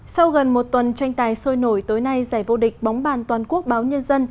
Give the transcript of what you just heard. sau gần một tuần tranh tài sôi nổi tối nay giải vô địch bóng bàn toàn quốc báo nhân dân